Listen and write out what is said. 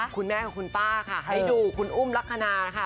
คุณแม่ของคุณป้าค่ะให้ดูคุณอุ้มลักษณะค่ะ